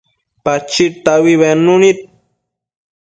Pachid taui bednu nid